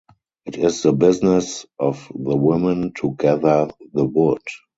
It is the business of the women to gather the wood.